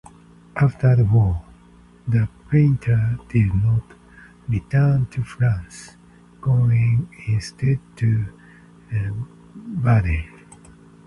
After the war, the painter did not return to France, going instead to Baden.